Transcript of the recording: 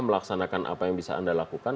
melaksanakan apa yang bisa anda lakukan